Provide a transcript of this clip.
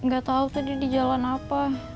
gak tau tadi di jalan apa